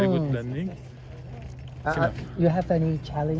apakah anda mengalami cabaran saat perjalanan